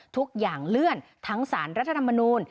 ทุกอย่างเลื่อนทั้งสารรัฐธรรมนูล